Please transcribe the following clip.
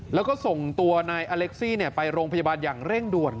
แล้วก็ส่งตัวนายอเล็กซี่ไปโรงพยาบาลอย่างเร่งด่วน